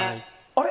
あれ？